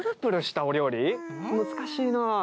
難しいな。